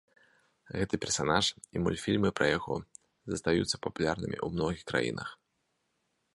Гэты персанаж і мультфільмы пра яго застаюцца папулярнымі ў многіх краінах.